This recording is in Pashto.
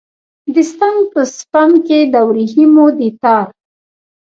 د ستن په سپم کې د وریښمو د تار